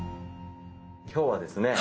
今日はですね